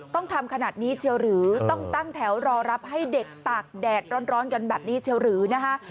ต้องทำขนาดนี้เชียวหรือต้องตั้งแถวรอรับให้เด็กตากแดดร้อนกันแบบนี้เชียวหรือนะคะ